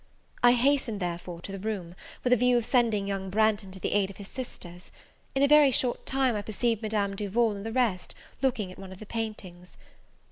I hastened, therefore, to the room, with a view of sending young Branghton to the aid of his sisters. In a very short time I perceived Madame Duval, and the rest, looking at one of the paintings.